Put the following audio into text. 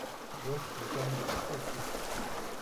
我喜欢你的志气